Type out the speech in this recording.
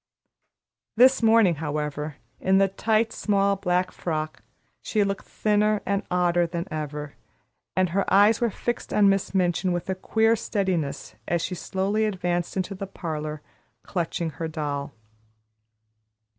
This morning, however, in the tight, small black frock, she looked thinner and odder than ever, and her eyes were fixed on Miss Minchin with a queer steadiness as she slowly advanced into the parlor, clutching her doll.